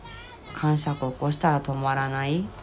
かんしゃく起こしたら止まらない。